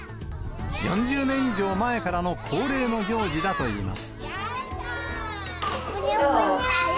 ４０年以上前からの恒例の行事だといいます。